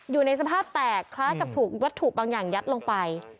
อยู่ในสภาพแตกคล้ายกับถูกวัตถุบางอย่างยัดลงไป